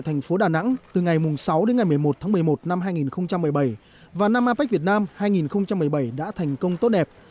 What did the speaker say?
thành phố đà nẵng từ ngày sáu đến ngày một mươi một tháng một mươi một năm hai nghìn một mươi bảy và năm apec việt nam hai nghìn một mươi bảy đã thành công tốt đẹp